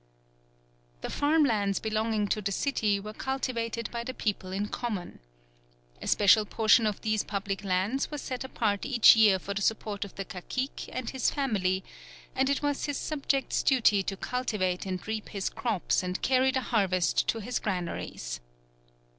The farm lands belonging to the city were cultivated by the people in common. A special portion of these public lands was set apart each year for the support of the cacique and his family, and it was his subjects' duty to cultivate and reap his crops and carry the harvest to his granaries.